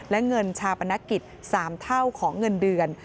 และเงินชาปนกิจ๓เท่าของเงินเดือน